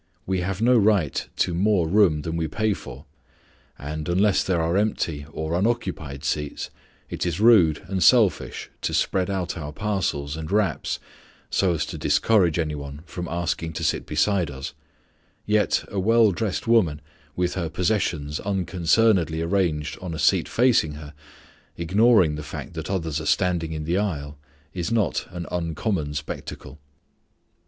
We have no right to more room than we pay for, and, unless there are plenty of unoccupied seats, it is rude and selfish to spread out our parcels and wraps so as to discourage any one from asking to sit beside us; yet a well dressed woman, with her possessions unconcernedly arranged on a seat facing her, ignoring the fact that others are standing in the aisle, is not an uncommon spectacle.